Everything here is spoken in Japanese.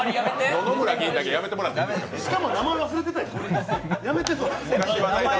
野々村議員だけはやめてもらっていいですか。